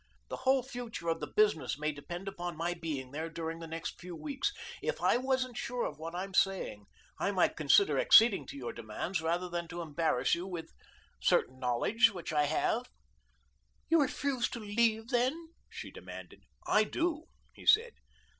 The whole future of the business may depend upon my being there during the next few weeks. If I wasn't sure of what I am saying I might consider acceding to your demands rather than to embarrass you with certain knowledge which I have." "You refuse to leave, then?" she demanded. "I do," he said.